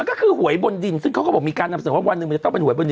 ก็คือหวยบนดินซึ่งเขาก็บอกมีการนำเสนอว่าวันหนึ่งมันจะต้องเป็นหวยบนดิน